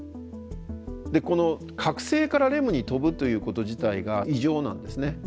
この覚醒からレムに飛ぶということ自体が異常なんですね。